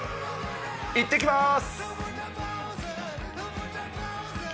いってきます。